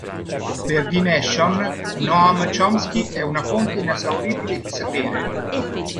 Per "The Nation": "Noam Chomsky è una fonte inesauribile di sapere".